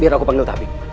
biar aku panggil tabib